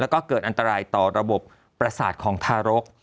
แล้วก็เกิดอันตรายต่อระบบประสาทของทารก